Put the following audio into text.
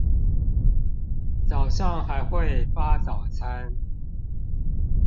早上還會發早餐